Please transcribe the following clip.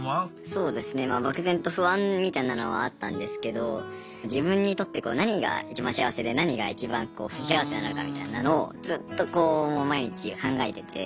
そうですね漠然と不安みたいなのはあったんですけど自分にとって何がいちばん幸せで何がいちばん不幸せなのかみたいなのをずっとこう毎日考えてて。